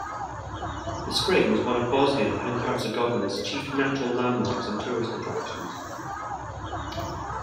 The spring is one of Bosnia and Herzegovina's chief natural landmarks and tourist attractions.